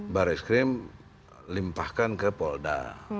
baris krim limpahkan ke polda